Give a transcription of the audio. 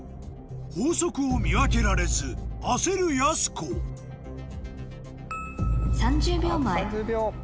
法則を見分けられず焦るやす子３０秒前あと３０秒。